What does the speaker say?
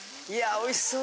おいしそう。